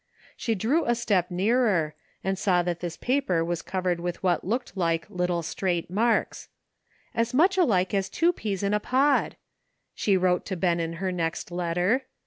She drew a step nearer, and saw that this paper was cov ered with what looked like little straight marks ; "as much alike as two peas in a pod," she wrote to Ben in her next letter.